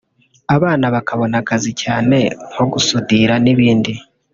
abana bakabona akazi cyane nko gusudira n’ibindi”